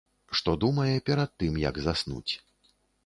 Што думае перад тым як заснуць.